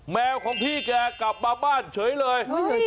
แมวของพี่แกกลับมาบ้านเฉยเลย